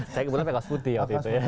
saya kebetulan pakai kaos putih waktu itu ya